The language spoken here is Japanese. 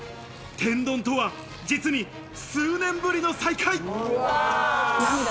天丼とは実に数年ぶりの再会。